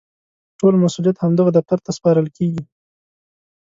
ټول مسوولیت همدغه دفتر ته سپارل کېږي.